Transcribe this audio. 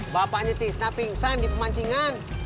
bapaknya tisnah pingsan di pemancingan